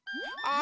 あ。